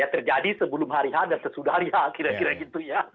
terjadi sebelum hari h dan sesudah hari h kira kira gitu ya